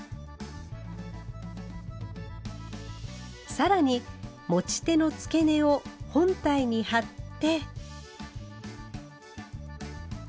更に持ち手の付け根を本体に貼って。